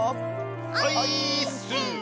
オイーッス！